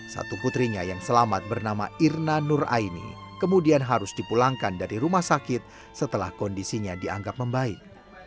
satu putrinya yang selamat bernama irna nur aini kemudian harus dipulangkan dari rumah sakit setelah kondisinya dianggap membaik